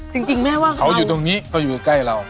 จริงแม่ว่าเขาอยู่ตรงนี้เขาอยู่ใกล้เรา